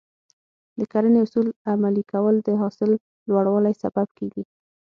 د کرنې اصول عملي کول د حاصل لوړوالي سبب کېږي.